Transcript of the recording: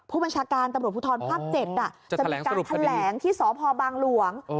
ผู้บัญชาการตำลูกผู้ทรภาพเจ็ดอ่ะจะแถลงสรุปคดีจะมีการแถลงที่สอบภอบางหลวง